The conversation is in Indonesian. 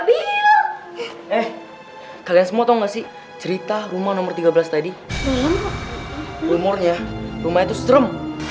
deh eh kalian semua tahu nggak sih cerita rumah nomor tiga belas tadi umurnya rumah itu strem